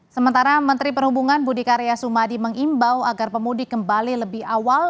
sementara menteri perhubungan budi karya sumadi mengimbau agar pemudik kembali lebih awal